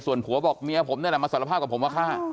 ส่วนผัวบอกเมียผมนี่แหละมาสารภาพกับผมว่าฆ่า